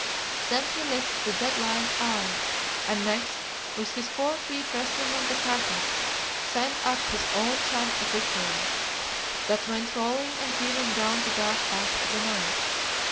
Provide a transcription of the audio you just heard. Then he licked the dead lion's eye, and next, with his fore feet resting on the carcass, sent up his own chant of victory, that went rolling and pealing down the dark paths of the night.